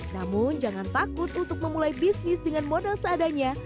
namun jangan takut untuk memulai bisnis dengan modal seadanya